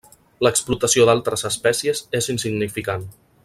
L'explotació d'altres espècies és insignificant.